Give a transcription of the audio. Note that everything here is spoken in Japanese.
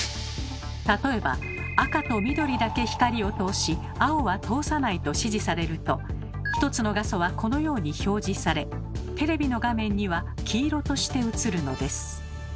例えば「赤と緑だけ光を通し青は通さない」と指示されると一つの画素はこのように表示されテレビの画面には黄色として映るのです。